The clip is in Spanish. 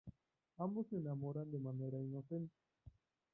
Ambos se enamoran de manera inocente.